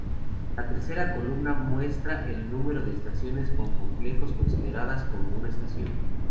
La tercera columna muestra el número de estaciones con "complejos", consideradas como una estación.